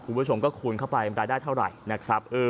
คุณผู้ชมก็คูณเข้าไปรายได้เท่าไหร่นะครับ